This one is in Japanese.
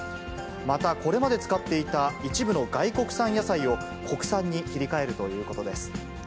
また、これまで使っていた一部の外国産野菜を、国産に切り替えるということです。